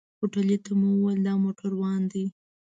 هوټلي ته مو وويل دا موټروان دی.